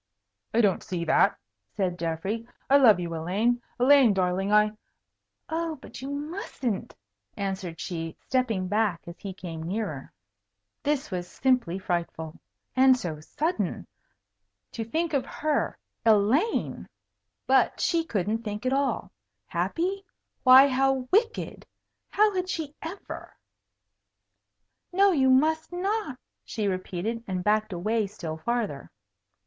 "I don't see that," said Geoffrey. "I love you, Elaine. Elaine, darling, I " "Oh, but you mustn't!" answered she, stepping back as he came nearer. [Illustration: Geoffrey tuggeth at the Bars] This was simply frightful! And so sudden. To think of her Elaine! but she couldn't think at all. Happy? Why, how wicked! How had she ever "No, you must not," she repeated, and backed away still farther.